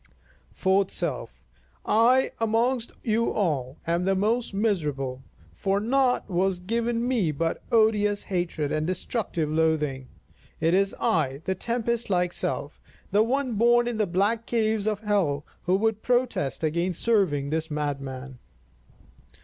Fourth Self: I, amongst you all, am the most miserable, for naught was given me but odious hatred and destructive loathing. It is I, the tempest like self, the one born in the black caves of Hell, who would protest against serving this madman.